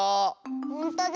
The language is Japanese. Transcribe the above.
ほんとだ。